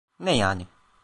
Ne yani?